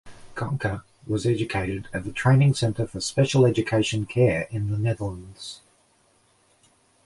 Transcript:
Conker was educated at the Training Center for Special Education Care in the Netherlands.